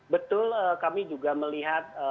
betul kami juga melihat